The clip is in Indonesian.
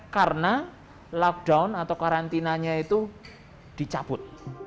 karena lockdown atau karantinanya itu dicabut